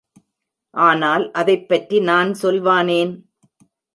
ஆனால் அதைப் பற்றி நான் சொல்வானேன்?